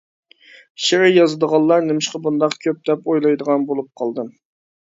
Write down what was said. شېئىر يازىدىغانلار نېمىشقا بۇنداق كۆپ دەپ ئويلايدىغان بولۇپ قالدىم.